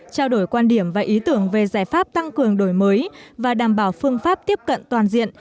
trao đổi quan điểm và ý tưởng về giải pháp tăng cường đổi mới và đảm bảo phương pháp tiếp cận toàn diện